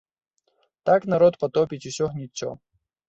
Так народ патопіць усё гніццё.